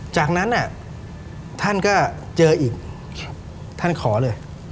จากนั้นท่านก็เจออีกท่านขอเลย